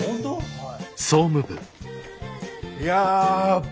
はい。